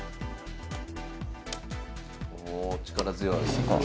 おお力強い。